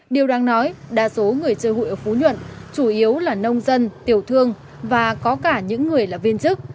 điều đáng nói đa số người chơi hụi ở phú nhuận chủ yếu là nông dân tiểu thương và có cả những người là viên chức